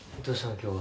今日は。